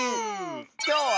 きょうは。